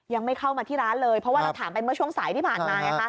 ยังไม่เข้ามาที่ร้านเลยเพราะว่าเราถามไปเมื่อช่วงสายที่ผ่านมาไงคะ